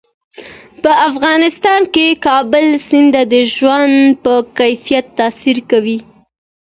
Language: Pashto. په افغانستان کې کابل سیند د ژوند په کیفیت تاثیر کوي.